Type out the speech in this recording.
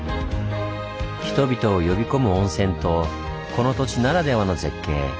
人々を呼び込む温泉とこの土地ならではの絶景。